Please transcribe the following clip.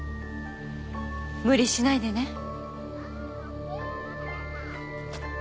無理しないでね。